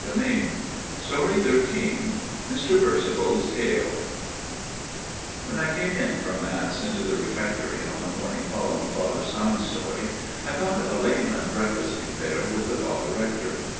\ XIII Mr. Percival's Tale XIII Mr. Percival's Tale WHEN I came in from Mass into the refec tory on the morning following Father Stein's story, I found a layman break fasting there with the Father Rector.